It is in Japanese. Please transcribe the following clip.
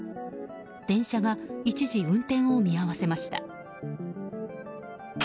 電車が一時運転を見合わせました。